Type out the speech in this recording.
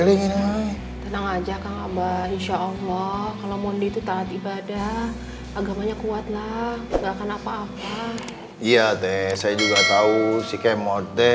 kalau mondi itu takut ibadah agamanya kuatlah nggak akan apa apa iya teh saya juga tahu si kemode